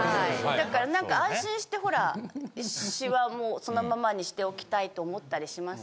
だからなんか安心してほらシワもそのままにしておきたいと思ったりしません？